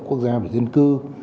quốc gia về dân cư